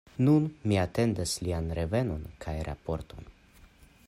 Nun mi atendas lian revenon kaj raporton.